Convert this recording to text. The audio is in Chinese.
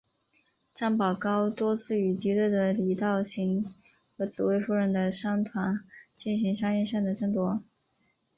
张保皋多次与敌对的李道行和紫薇夫人的商团进行商业上的争夺。